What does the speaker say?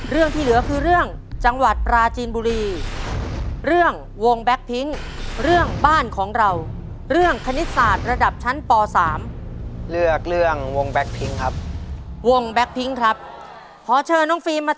เรื่องที่เหลือคือเรื่องจังหวัดปราจีนบุรี